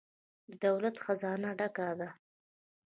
د دولت خزانه ډکه ده؟